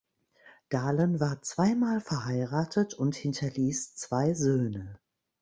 Dahlen war zweimal verheiratet und hinterließ zwei Söhne.